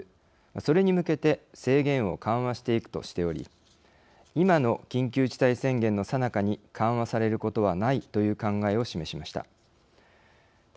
それに向けて制限を緩和していく」としており今の緊急事態宣言のさなかに緩和されることはないという考えを示しました。